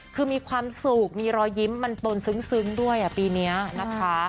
คือมีความสุขมีรอยยิ้มมันปนซึ้งด้วยปีนี้นะคะ